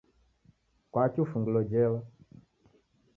Kwaki ufungilo jela?